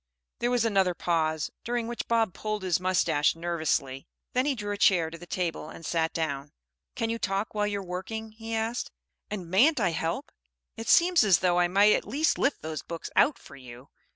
There was another pause, during which Bob pulled his moustache nervously! Then he drew a chair to the table and sat down. "Can you talk while you're working?" he asked. "And mayn't I help? It seems as though I might at least lift those books out for you.